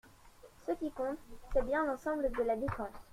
Ce qui compte, c’est bien l’ensemble de la dépense.